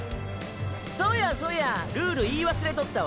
そやそやルール言い忘れとったわ。